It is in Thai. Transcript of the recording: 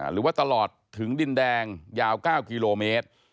หรือว่าตลอดถึงดินแดงยาว๙กิโลเมตร